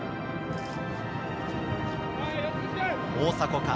大迫か？